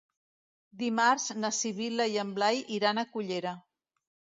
Dimarts na Sibil·la i en Blai iran a Cullera.